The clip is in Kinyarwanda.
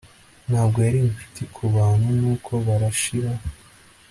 Ntabwo yari inshuti kubantu nuko barashiraho